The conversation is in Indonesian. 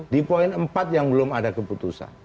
di poin empat yang belum ada keputusan